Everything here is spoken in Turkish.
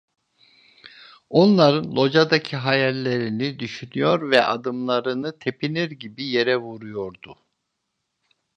Onların locadaki hayallerini düşünüyor ve adımlarını tepinir gibi yere vuruyordu.